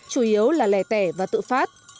chủ yếu là lẻ tẻ và tự phát